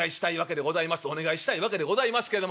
お願いしたいわけでございますけども。